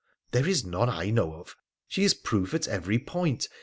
' There is none I know of. She is proof at every point.